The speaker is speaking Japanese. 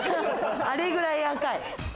あれぐらい赤い。